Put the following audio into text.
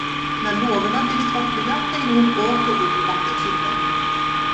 När lågorna blivit måttliga, hängde hon åter upp vattenkitteln.